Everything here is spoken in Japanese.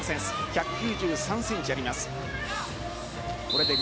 １９３ｃｍあります。